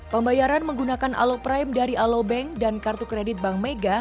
pembayaran menggunakan aloprime dari alobank dan kartu kredit bank mega